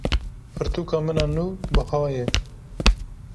Pirtûka min a nû buha ye.